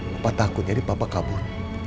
lupa takut jadi papa kabur